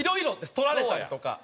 撮られたりとか。